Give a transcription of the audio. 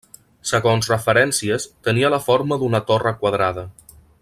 Segons referències tenia la forma d'una torre quadrada.